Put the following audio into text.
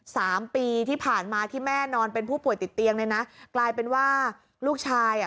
สามปีที่ผ่านมาที่แม่นอนเป็นผู้ป่วยติดเตียงเนี่ยนะกลายเป็นว่าลูกชายอ่ะ